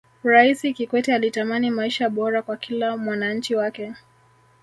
raisi kikwete alitamani maisha bora kwa kila mwananchi wake